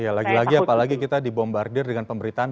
ya lagi lagi apalagi kita dibombardir dengan pemberitaan